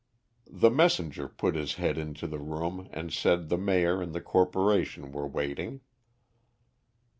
The messenger put his head into the room, and said the Mayor and the Corporation were waiting.